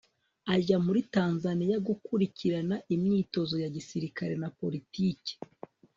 ajya muri tanzaniya gukurikirana imyitozo ya gisilikare na politike